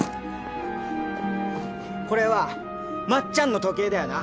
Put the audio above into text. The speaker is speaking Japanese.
これはまっちゃんの時計だよな？